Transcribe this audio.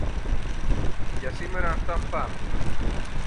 Για σήμερα αυτά φθάνουν.